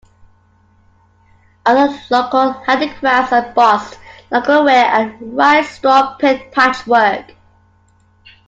Other local handicrafts are embossed lacquerware and rice straw pith patchwork.